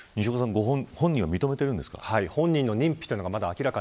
本人は認めているんですか。